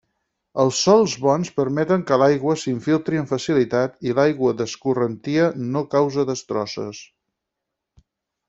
Els sòls bons permeten que l'aigua s'infiltri amb facilitat i l'aigua d'escorrentia no causa destrosses.